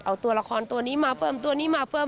เอาตัวละครตัวนี้มาเพิ่มตัวนี้มาเพิ่ม